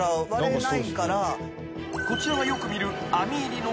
［こちらはよく見る］